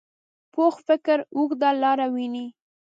پوخ فکر اوږده لاره ویني